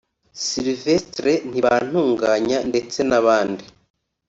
Sylvestre Ntibantuganya ndetse n’abandi